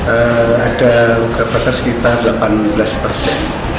ada luka bakar sekitar delapan belas persen